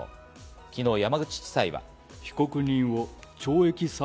昨日、山口地裁は。